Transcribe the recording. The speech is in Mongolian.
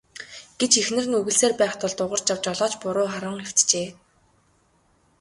гэж эхнэр нь үглэсээр байх тул Дугаржав жолооч буруу харан хэвтжээ.